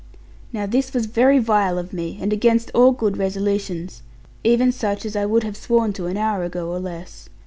Now this was very vile of me, and against all good resolutions, even such as I would have sworn to an hour ago or less.